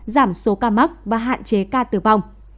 giảm số ca mắc và hạn chế ca tử vong